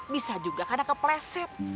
bisa juga karena kepleset